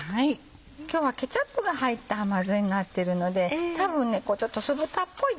今日はケチャップが入った甘酢あんになってるので多分ちょっと酢豚っぽい感じ。